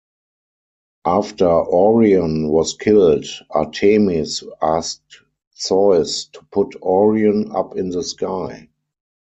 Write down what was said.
After Orion was killed, Artemis asked Zeus to put Orion up in the sky.